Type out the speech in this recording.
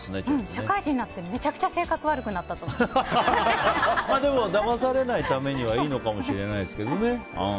社会人になってめちゃくちゃだまされないためにはいいかもしれないですけどね。